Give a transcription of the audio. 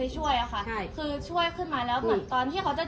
จริงตอนนั้น